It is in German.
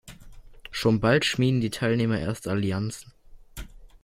Schon bald schmieden die Teilnehmer erste Allianzen.